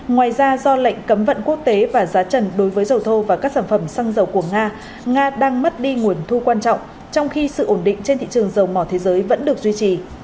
ngoài ra do lệnh cấm vận quốc tế và giá trần đối với dầu thô và các sản phẩm xăng dầu của nga nga đang mất đi nguồn thu quan trọng trong khi sự ổn định trên thị trường dầu mò thế giới vẫn được duy trì